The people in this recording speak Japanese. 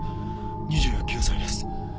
２９歳です。